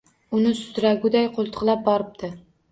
Uni sudraguday qo‘ltiqlab boribdi